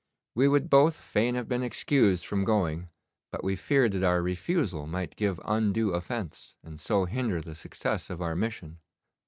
We would both fain have been excused from going but we feared that our refusal might give undue offence, and so hinder the success of our mission.